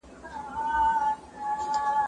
زه به سبا د ښوونځی لپاره تياری کوم!